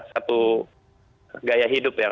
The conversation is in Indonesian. satu gaya hidup ya